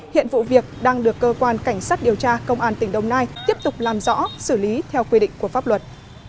hiện vụ việc đang được cơ quan cảnh sát điều tra công an tỉnh đồng nai tiếp tục làm rõ xử lý theo quy định của pháp luật